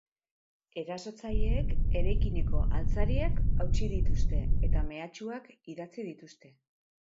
Erasotzaileek eraikineko altzariak hautsi dituzte eta mehatxuak idatzi dituzte.